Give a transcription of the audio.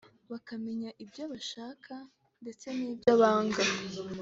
bakamenya ibyo bashaka ndetse n’ibyo banga